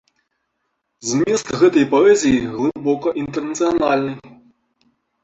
Змест гэтай паэзіі глыбока інтэрнацыянальны.